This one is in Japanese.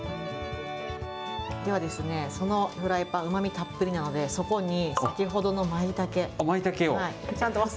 ではですね、そのフライパン、うまみたっぷりなので、まいたけを。